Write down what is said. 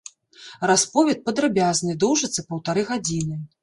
Расповед падрабязны, доўжыцца паўтары гадзіны.